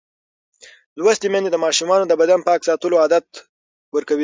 لوستې میندې د ماشومانو د بدن پاک ساتلو عادت ورکوي.